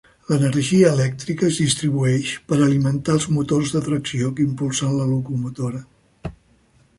L'energia elèctrica es distribueix per alimentar els motors de tracció que impulsen la locomotora.